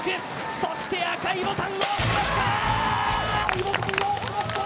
そして赤いボタンを押しました！